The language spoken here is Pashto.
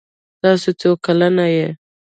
تاسو څو کلن یې؟